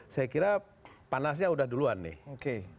saya kira panasnya udah duluan nih